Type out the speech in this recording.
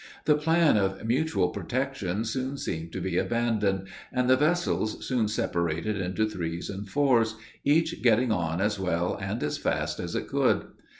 The plan of mutual protection soon seemed to be abandoned, and the vessels soon separated into threes and fours, each getting on as well and as fast as it could.